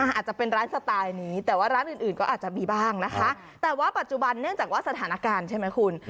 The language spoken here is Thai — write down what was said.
อาจจะเป็นร้านสไตล์นี้แต่ว่าร้านอื่นอื่นก็อาจจะมีบ้างนะคะแต่ว่าปัจจุบันเนื่องจากว่าสถานการณ์ใช่ไหมคุณ